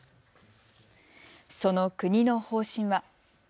その国の方針は。